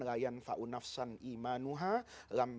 layan fa'unafsan imanuhah